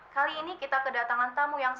kali ini kita kedatangan tamu yang